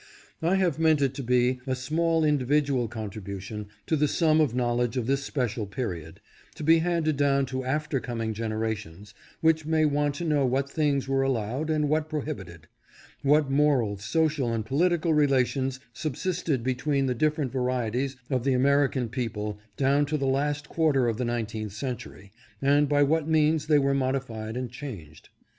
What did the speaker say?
I have meant it to be a small individual contribution to the sum of knowledge of this special period, to be handed down to after coming generations which may want to know what things were allowed and what prohibited ; what moral, social and political relations subsisted between the differ ent varieties of the American people down to the last quarter of the nineteenth century and by what means they were modified and changed.